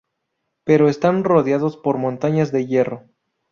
Pero están rodeados por montañas de hierro.